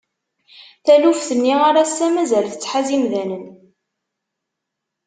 Taluft-nni ar ass-a mazal tettḥaz imdanen.